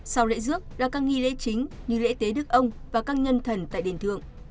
sau lễ dước là các nghi lễ chính như lễ tế đức ông và các nhân thần tại đền thượng